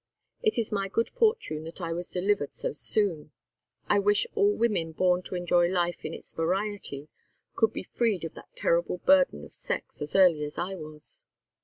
It is my good fortune that I was delivered so soon. I wish all women born to enjoy life in its variety could be freed of that terrible burden of sex as early as I was."